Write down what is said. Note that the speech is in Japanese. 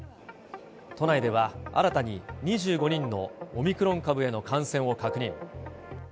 都内では、新たに２５人のオミクロン株への感染を確認。